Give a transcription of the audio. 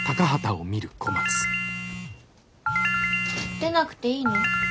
出なくていいの？